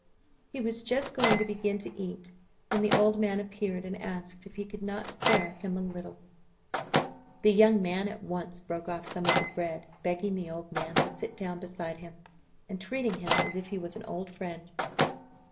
He was just going to begin to eat when the old man appeared, and asked if he could not spare him a little. The young man at once broke off some of the bread, begging the old man to sit down beside him, and treating him as if he was an old friend.